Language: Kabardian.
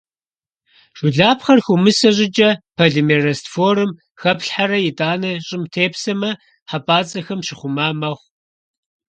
Жылапхъэр хыумысэ щIыкIэ, полимер растворым хэплъхьэрэ, итIанэ щIым тепсэмэ, хьэпIацIэхэм щыхъума мэхъу.